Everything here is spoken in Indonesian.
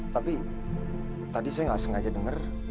tapi tadi saya nggak sengaja denger